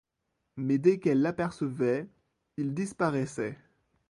Mais dès qu'elle l'apercevait, il disparaissait.